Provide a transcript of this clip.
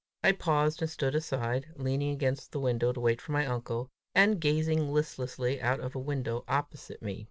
I paused and stood aside, leaning against the wall to wait for my uncle, and gazing listlessly out of a window opposite me.